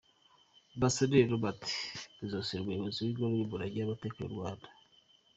Ambasaderi Robert Masozera umuyobozi w’ingoro z’umurage w’amateka y’u Rwanda.